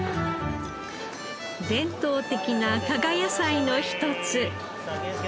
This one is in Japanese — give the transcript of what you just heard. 伝統的な加賀野菜の一つ。